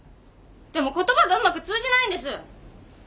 でも言葉がうまく通じないんです。